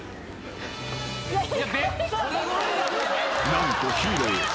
［何とヒーロー。